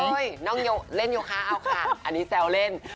โอ้ยน้องเล่นอยู่ค้าเอาค่ะอันนี้แซวเล่น